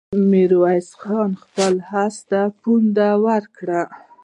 ميرويس خان خپل آس ته پونده ورکړه.